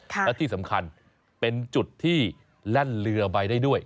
และที่สำคัญเป็นจุดที่แล่นเรือไปได้ด้วย